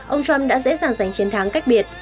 ông trump đã dễ dàng giành chiến thắng cách biệt